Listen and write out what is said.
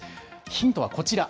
ヒントはこちら。